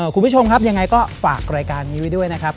คุณผู้ชมครับยังไงก็ฝากรายการนี้ไว้ด้วยนะครับ